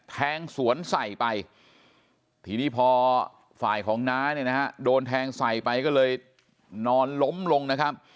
แทงสวนใส่ไปทีนี้พอฝ่ายของน้าเนี่ยนะฮะโดนแทงใส่ไปก็เลยนอนล้มลงนะครับ